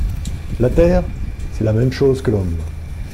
La terre, c'est la même chose que l'homme.